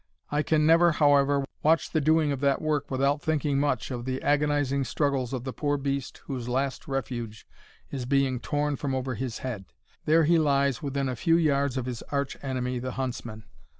I can never, however, watch the doing of that work without thinking much of the agonising struggles of the poor beast whose last refuge is being torn from over his head. There he lies within a few yards of his arch enemy, the huntsman.